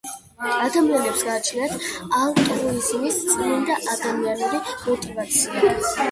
ადამიანებს გააჩნიათ ალტრუიზმის წმინდა ადამიანური მოტივაცია.